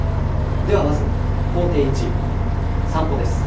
ではまず行程１散歩です。